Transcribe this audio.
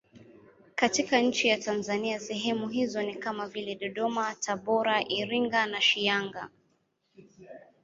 Katika nchi ya Tanzania sehemu hizo ni kama vile Dodoma, Tabora, Iringa, Shinyanga.